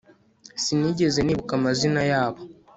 sinigeze nibuka amazina yabo